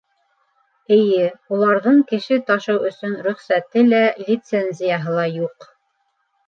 Эйе, уларҙың кеше ташыу өсөн рөхсәте лә, лицензияһы ла юҡ.